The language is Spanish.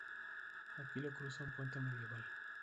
Aquí lo cruza un puente medieval.